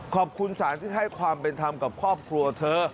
ขอบคุณศาลที่ให้ความเป็นธรรมกับครอบครัวเธอ